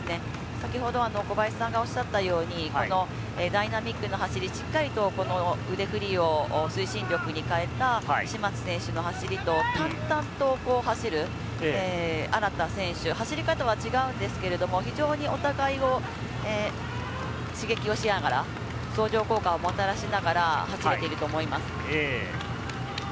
先ほど小林さんがおっしゃったように、このダイナミックな走り、しっかりと腕ふりを推進力に変えた石松選手の走りと、淡々と走る荒田選手、走り方は違うんですけれども、非常にお互いを刺激をしながら相乗効果をもたらしながら走れていると思います。